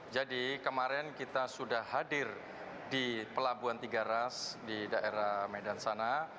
jadi kemarin kita sudah hadir di pelabuhan tiga ras di daerah medan sana